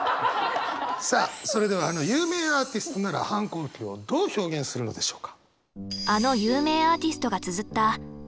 さあそれではあの有名アーティストなら反抗期をどう表現するのでしょうか。